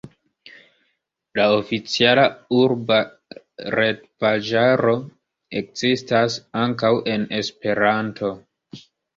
La oficiala urba retpaĝaro ekzistas ankaŭ en Esperanto.